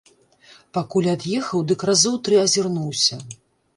Пакуль ад'ехаў, дык разоў тры азірнуўся.